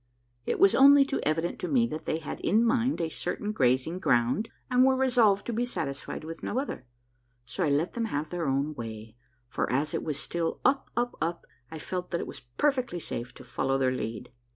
It was only too evident to me that they had in mind a certain grazing ground, and were resolved to be satisfied with no other ; so I let them have their own way, for, as it was still up, up, up, I felt that it was perfectly safe to follow their lead.